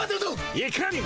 いかにも。